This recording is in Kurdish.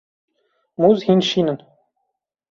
Mûz hîn şîn in.